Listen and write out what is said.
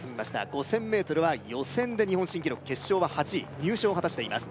５０００ｍは予選で日本新記録決勝は８位入賞を果たしています